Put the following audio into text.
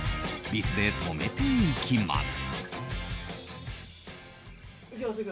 ビスで留めていきます。